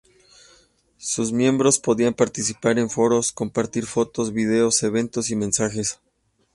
Sus miembros podían participar en foros, compartir fotos, videos, eventos y mensajes.